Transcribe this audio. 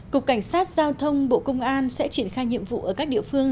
cục cảnh sát giao thông bộ công an sẽ triển khai nhiệm vụ ở các địa phương